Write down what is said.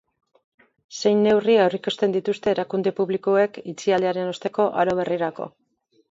Zein neurri aurreikusten dituzte erakunde publikoek itxialdiaren osteko aro berrirako?